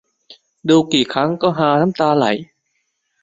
ดูกี่ครั้งก็ฮาน้ำตาไหล